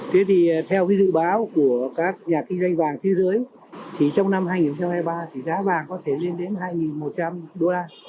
thế thì theo cái dự báo của các nhà kinh doanh vàng thế giới thì trong năm hai nghìn hai mươi ba thì giá vàng có thể lên đến hai một trăm linh đô la